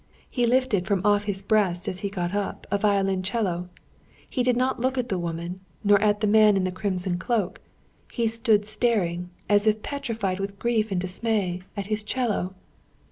He lifted from off his breast as he got up, a violoncello. He did not look at the woman, nor at the man in the crimson cloak; he stood staring, as if petrified with grief and dismay, at his 'cello.